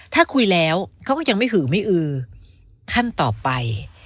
ถ้าคุยแล้วเขาก็ยังไม่หือไม่อือขั้นต่อไป